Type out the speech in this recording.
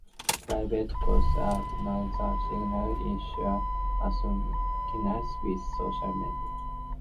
Privacy concerns are another significant issue associated with social media.